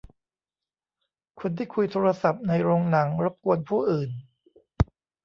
คนที่คุยโทรศัพท์ในโรงหนังรบกวนผู้อื่น